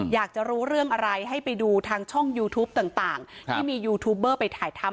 อยากจะรู้เรื่องอะไรให้ไปดูทางช่องยูทูปต่างที่มียูทูปเบอร์ไปถ่ายทำ